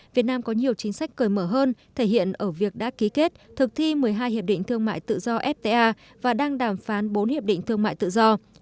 việt nam có nhiều chính sách cởi mở hơn thể hiện ở việc đã ký kết thực thi một mươi hai hiệp định thương mại tự do fta và đang đàm phán bốn hiệp định thương mại tự do